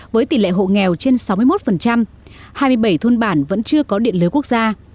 với tỷ lệ hộ nghèo trên sáu mươi một hai mươi bảy thôn bản vẫn chưa có điện lưới quốc gia